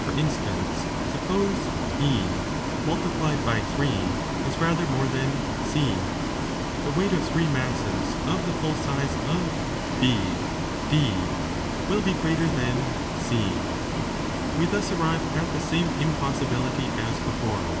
For instance, suppose £ multiplied by three is rather more than C: the weight of three masses of the full size of BD will be greater than C. We thus arrive at the same impossibility as 15 before.